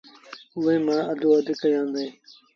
اُئي مآݩ اڌو اڌ ڪيآݩدي